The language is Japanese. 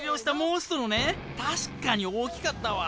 たしかに大きかったわ。